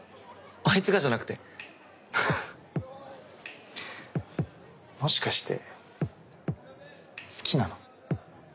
あいつがじゃなくてふふっもしかして好きなの？